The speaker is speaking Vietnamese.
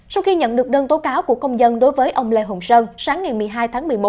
sau khi nhận được đơn tố cáo của công dân đối với ông lê hồng sơn sáng ngày một mươi hai tháng một mươi một